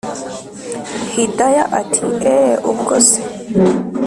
hidaya ati” eeeeehhh ubwo se